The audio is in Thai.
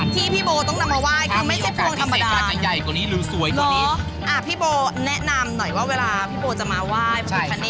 ทุกวัน